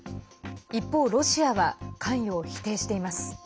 一方、ロシアは関与を否定しています。